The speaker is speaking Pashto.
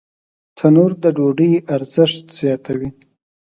تنور د ډوډۍ ارزښت زیاتوي